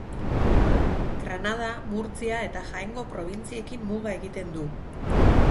Granada, Murtzia eta Jaengo probintziekin muga egiten du.